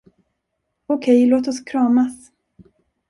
Okej, låt oss kramas.